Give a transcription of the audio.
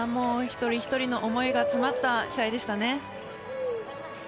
一人一人の思いが詰まった試合でしたね。